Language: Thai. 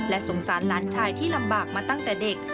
สงสารหลานชายที่ลำบากมาตั้งแต่เด็ก